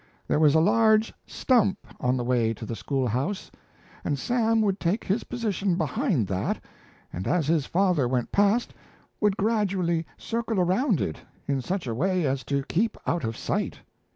There was a large stump on the way to the schoolhouse, and Sam would take his position behind that, and as his father went past would gradually circle around it in such a way as to keep out of sight.